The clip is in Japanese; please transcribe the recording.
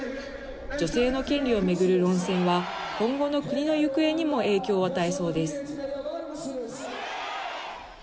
女性の権利を巡る論戦は、今後の国の行方にも影響を与えそうです。